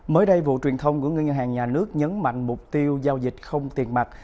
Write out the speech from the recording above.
mới đây vụ truyền thông của ngân hàng nhà nước nhấn mạnh mục tiêu giao dịch không tiền mặt